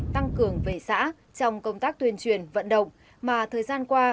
tăng cường về xã trong công tác tuyên truyền vận động mà thời gian qua